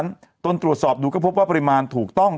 เล่นเรื่องไหมนะคลับไฟเดย์เล่นไหมนะ